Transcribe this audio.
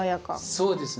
そうですね。